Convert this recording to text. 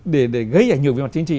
để gây ảnh hưởng về mặt chính trị